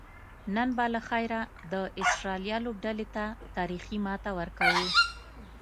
نن به لخیره د آسترالیا لوبډلې ته تاریخي ماته ورکوو